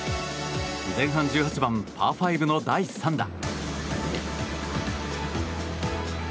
前半１８番、パー５の第３打。